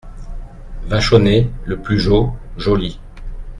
Vachonnet Le plus jo … joli !